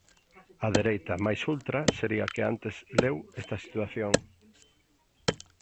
A dereita máis ultra sería a que "antes leu esta situación".